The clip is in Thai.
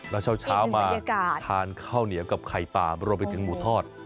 แล้วเช้ามาทานข้าวเหนียวกับไข่ป่ารวมไปถึงหมูทอด